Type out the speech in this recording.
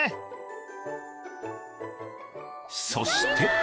［そして］